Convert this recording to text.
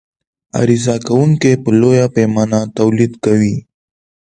عرضه کوونکى په لویه پیمانه تولید کوي.